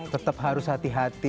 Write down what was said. tetap harus hati hati